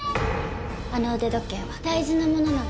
あの腕時計は大事なものなの。